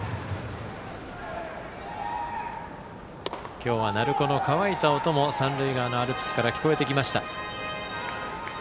今日は鳴子の乾いた音も三塁側のアルプスから聞こえてきました。